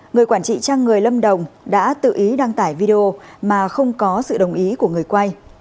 người quản trị trang người lâm đồng đã tự ý đăng tải video mà không có sự đồng ý của người quay